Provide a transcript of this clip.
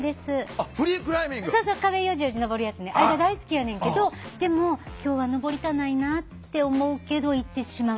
あれが大好きやねんけどでも今日は登りたないなあって思うけど行ってしまう。